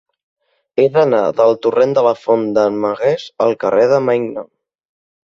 He d'anar del torrent de la Font d'en Magués al carrer de Maignon.